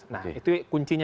nah itu kuncinya